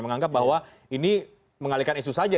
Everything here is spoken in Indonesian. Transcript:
menganggap bahwa ini mengalihkan isu saja